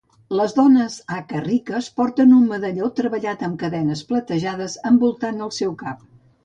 Les dones Aka riques porten un medalló treballat amb cadenes platejades envoltant el seu cap.